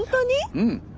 うん。